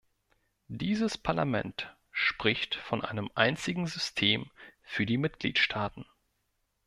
Dieses Parlament spricht von einem einzigen System für die Mitgliedstaaten.